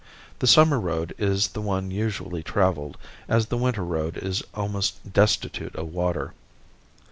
The summer road is the one usually travelled, as the winter road is almost destitute of water.